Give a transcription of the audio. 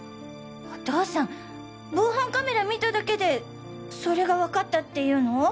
お父さん防犯カメラ見ただけでそれがわかったっていうの？